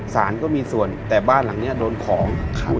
สารก็มีส่วนแต่บ้านหลังนี้โดนของ